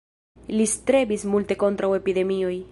Li strebis multe kontraŭ epidemioj.